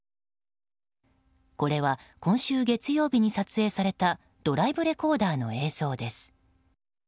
これは、今週月曜日に撮影されたドライブレコーダーの映像です。